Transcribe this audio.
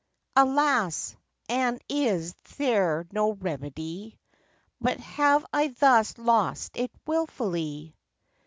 Alas, and is there no remedy? But have I thus lost it wilfully?